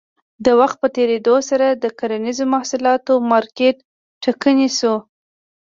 د وخت په تېرېدو سره د کرنیزو محصولاتو مارکېټ ټکنی شو.